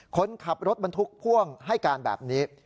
คนขับรถบรรทุกพ่วงให้การแบบนี้